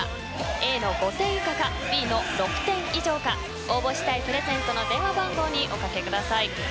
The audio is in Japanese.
Ａの５点以下かＢの６点以上か応募したいプレゼントの電話番号におかけください。